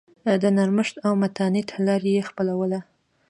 د نرمښت او متانت لار یې خپلوله.